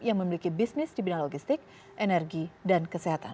yang memiliki bisnis di bidang logistik energi dan kesehatan